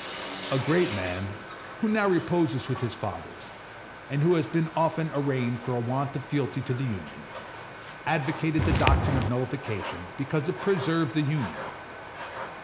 A great man who now reposes with his fathers, and who has been often arraigned for a want of fealty to the Union, advocated the doctrine of nullification because it preserved the Union.